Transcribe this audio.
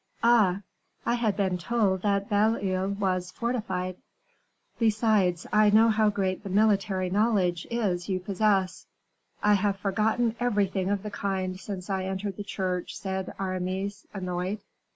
"Ah! I had been told that Belle Isle was fortified; besides, I know how great the military knowledge is you possess." "I have forgotten everything of the kind since I entered the Church," said Aramis, annoyed.